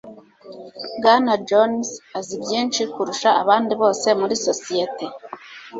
Bwana Jones azi byinshi kurusha abandi bose muri sosiyete.